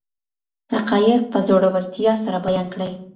حقایق په زړورتیا سره بیان کړئ.